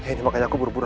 ini makanya aku berubur